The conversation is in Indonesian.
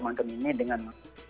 ramadan ini dengan